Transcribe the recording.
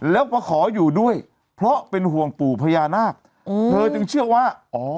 แล้วมาขออยู่ด้วยเพราะเป็นห่วงปู่พญานาคเธอจึงเชื่อว่าอ๋อ